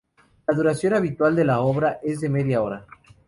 La duración habitual de la obra es de media hora.